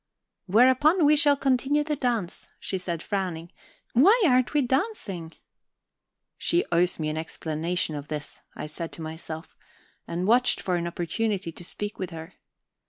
"Whereupon we shall continue the dance," she said, frowning. "Why aren't we dancing?" "She owes me an explanation of this," I said to myself, and watched for an opportunity to speak with her.